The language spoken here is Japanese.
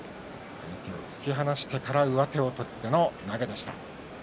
突き放してから上手を取っての投げでした。